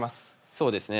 そうですね。